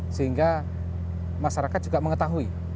sehingga masyarakat juga mengetahui